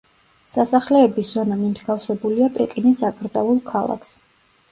სასახლეების ზონა მიმსგავსებულია პეკინის აკრძალულ ქალაქს.